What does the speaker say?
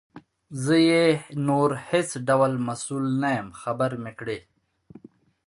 زه یې نور هیڅ ډول مسؤل نه یم خبر مي کړې.